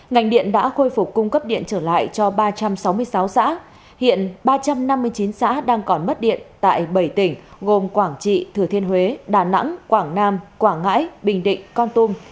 ngành điện đã khôi phục cung cấp điện trở lại cho ba trăm sáu mươi sáu xã hiện ba trăm năm mươi chín xã đang còn mất điện tại bảy tỉnh gồm quảng trị thừa thiên huế đà nẵng quảng nam quảng ngãi bình định con tum